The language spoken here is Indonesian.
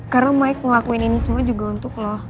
karena mike ngelakuin ini semua juga untuk lo